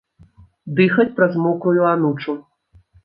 Дыхаць праз мокрую анучу.